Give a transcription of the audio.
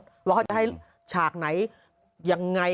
ว่าเขาจะให้ฉากไหนยังไง